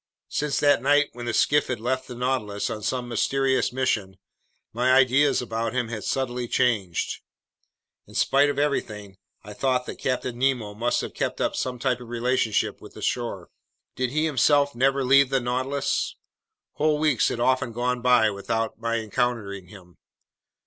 Since that night when the skiff had left the Nautilus on some mysterious mission, my ideas about him had subtly changed. In spite of everything, I thought that Captain Nemo must have kept up some type of relationship with the shore. Did he himself never leave the Nautilus? Whole weeks had often gone by without my encountering him.